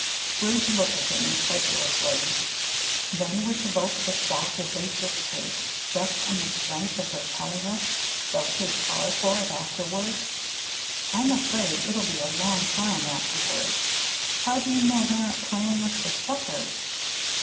Bridge looked at him incredulously. "Then we're to vote the stock as they dictate, just on the strength of their telling us they'll pay par for it afterward. I'm afraid it'll be a long time afterward. How do you know they aren't playing us for suckers?"